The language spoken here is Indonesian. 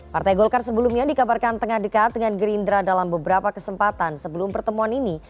partai golkar sebelumnya dikabarkan tengah dekat dengan gerindra dalam beberapa kesempatan sebelum pertemuan ini